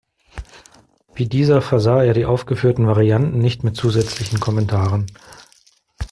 Wie dieser versah er die aufgeführten Varianten nicht mit zusätzlichen Kommentaren.